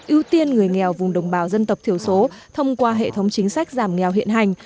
ưu tiên người nghèo vùng đồng bào dân tộc thiểu số thông qua hệ thống chính sách giảm nghèo hiện hành